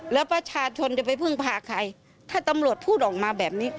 แล้วประชาชนจะไปพึ่งพาใครถ้าตำรวจพูดออกมาแบบนี้